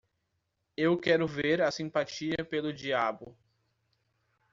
Eu quero ver a simpatia pelo diabo